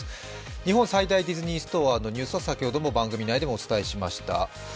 日本最大ディズーニストアは先ほど、番組内でもお伝えしました。